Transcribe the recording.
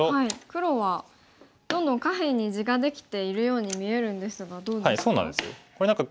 黒はどんどん下辺に地ができているように見えるんですがどうですか？